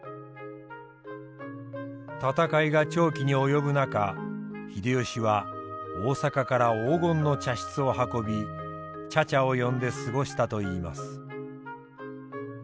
戦いが長期に及ぶ中秀吉は大坂から黄金の茶室を運び茶々を呼んで過ごしたといいます。